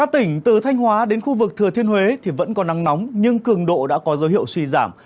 từ thanh hóa đến khu vực thừa thiên huế thì vẫn còn nắng nóng nhưng cường độ đã có dấu hiệu suy giảm